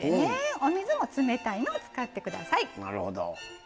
お水も冷たいのを使ってください。